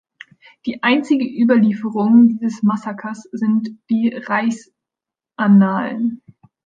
Die einzige Überlieferung dieses Massakers sind die Reichsannalen.